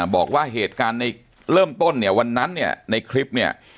บอกว่าเหตุการณ์ในเริ่มต้นเนี่ยวันนั้นเนี่ยในคลิปเนี่ย